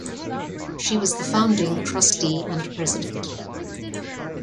She was the founding trustee and president.